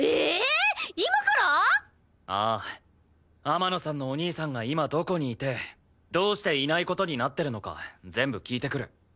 天野さんのお兄さんが今どこにいてどうしていない事になってるのか全部聞いてくる。